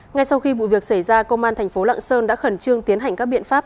ngay sau khi vụ việc xảy ra công an thành phố lạng sơn đã khẩn trương tiến hành các biện pháp